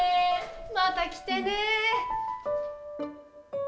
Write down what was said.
また来てね。